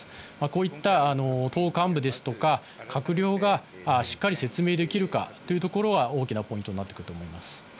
こういった党幹部ですとか、閣僚がしっかり説明できるかということところは、大きなポイントになってくると思います。